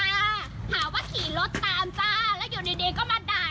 หาว่าขี่รถตามจ้าแล้วอยู่ดีดีก็มาด่า